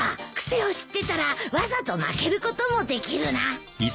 癖を知ってたらわざと負けることもできるな。